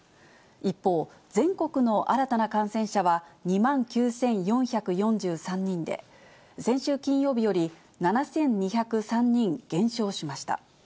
一方、全国の新たな感染者は２万９４４３人で、先週金曜日より７２０３人減少しました。